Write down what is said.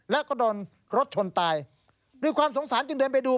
แล้วก็โดนรถชนตายด้วยความสงสารจึงเดินไปดู